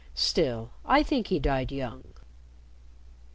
Still, I think he died young."